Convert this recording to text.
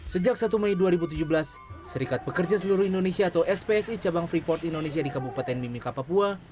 sejak satu mei dua ribu tujuh belas serikat pekerja seluruh indonesia atau spsi cabang freeport indonesia di kabupaten mimika papua